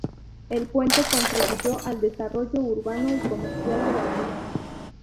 El puente contribuyó al desarrollo urbano y comercial de la ciudad.